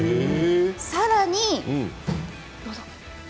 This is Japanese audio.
さらに、どうぞ。